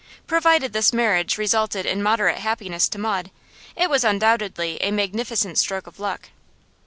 Provided this marriage resulted in moderate happiness to Maud, it was undoubtedly a magnificent stroke of luck.